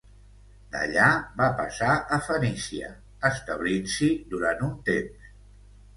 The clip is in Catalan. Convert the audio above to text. D'allà va passar a Fenícia, establint-s'hi durant un temps.